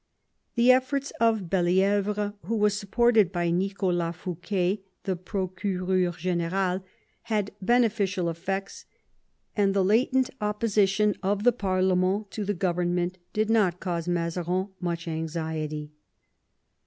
The efforts of Belli6vre, who was supported by Nicholas Fouquet, the procurew gdnSral, had beneficial effects, and the latent opposition of the parlement to the government did not cause Mazarin much anxiety.